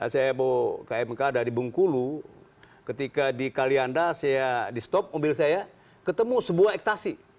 saya bawa ke mk dari bengkulu ketika di kalianda saya di stop mobil saya ketemu sebuah ekstasi